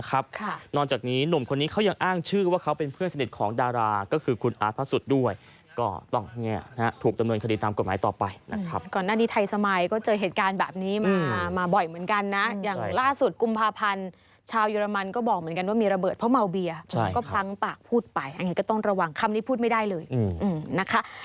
ก่อนหน้านี้ไทยสมัยก็เจอเหตุการณ์แบบนี้มามาบ่อยเหมือนกันนะอย่างล่าสุดกุมภาพันธ์ชาวเยอรมันก็บอกเหมือนกันว่ามีระเบิดเพราะเมาเบียก็พลั้งปากพูดไปอย่างงี้ก็ต้องระวังคำนี้พูดไม่ได้เลยอืมนะคะ